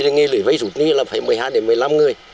cái nghề lưỡi vây rút như là phải một mươi hai đến một mươi năm người